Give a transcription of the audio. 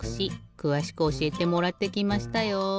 くわしくおしえてもらってきましたよ。